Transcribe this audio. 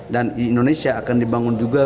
dan di indonesia akan dibangun juga